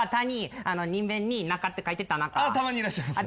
たまにいらっしゃいます。